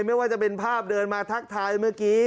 ไม่ว่าจะเป็นภาพเดินมาทักทายเมื่อกี้